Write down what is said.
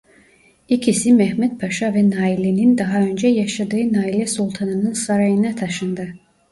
İkisi Mehmed Paşa ve Naile'nin daha önce yaşadığı Naile Sultan'ın sarayına taşındı.